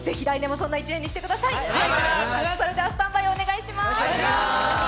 それではスタンバイお願いします。